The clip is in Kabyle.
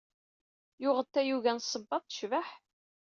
Yuɣ-d tayuga n ṣṣebaḍ tecbeḥ!